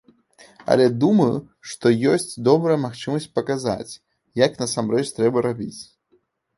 Але думаю, што ёсць добрая магчымасць паказаць, як насамрэч трэба рабіць.